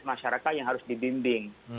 masyarakat yang harus dibimbing